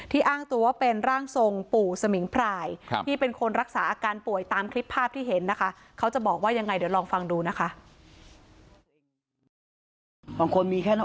ที่อ้างตัวเป็นร่างทรงปู่สมิงพรายที่เป็นคนรักษาอาการป่วยตามคลิปภาพที่เห็นนะคะ